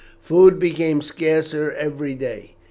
"] Food became scarcer every day.